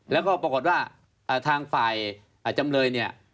แล้วก็ปรากฏว่าทางฝ่ายจำเลยเนี่ย